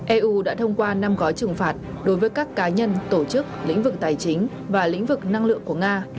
eu đã thông qua năm gói trừng phạt đối với các cá nhân tổ chức lĩnh vực tài chính và lĩnh vực năng lượng của nga